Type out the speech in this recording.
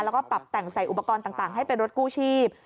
แล้วก็ปรับแต่งใส่อุปกรณ์ต่างให้เป็นรถกู้ชีพ